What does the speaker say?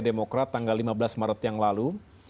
demokrat tanggal lima belas maret yang lalu